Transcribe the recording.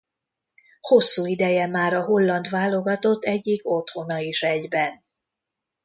Hosszú ideje már a holland válogatott egyik otthona is egyben.